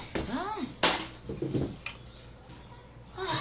ああ。